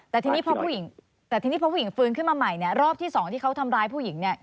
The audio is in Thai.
แต่ทีนี้พอผู้หญิงฟืนขึ้นมาใหม่รอบที่สองที่เขาทำร้ายผู้หญิง